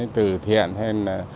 từ thiện hay là